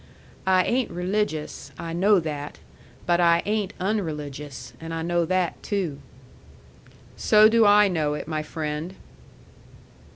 "I ain't religious. I know that. But I ain't unreligious. And I know that too." "So do I know it, my friend."